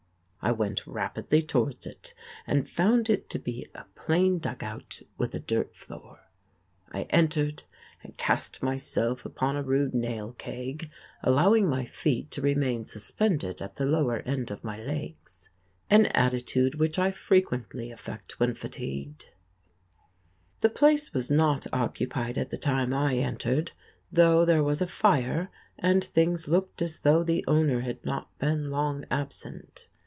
I went rapidly towards it and found it to be a plain dugout with a dirt floor. I entered and cast myself upon a rude nail keg, allowing my feet to remain suspended at the lower end of my legs, an attitude which I frequently affect when fatigued. The place was not occupied at the time I entered, though there was a fire and things looked as though the owner had not been long absent.